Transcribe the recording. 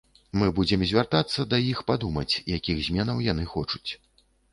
Мы будзем звяртацца да іх падумаць, якіх зменаў яны хочуць.